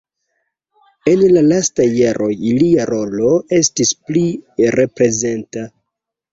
En la lastaj jaroj lia rolo estis pli reprezenta.